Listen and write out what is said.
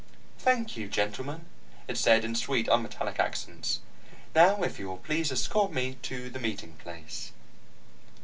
"Thank you, gentlemen," it said, in sweet, unmetallic accents. "Now if you will please escort me to the meeting place